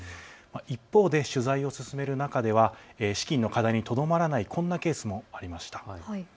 一方で取材を進める中では資金の課題にとどまらないこんなケースもありました。